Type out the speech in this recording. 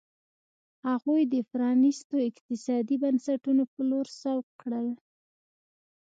هغوی د پرانیستو اقتصادي بنسټونو په لور سوق کړ.